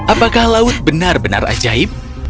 apakah laut benar benar ajaib